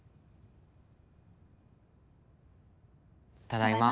ただいま。